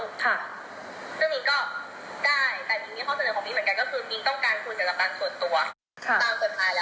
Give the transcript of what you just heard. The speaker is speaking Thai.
ซึ่งนี่ก็ได้แต่พี่มีข้อเศรษฐ์ของมิ๊กเหมือนกัน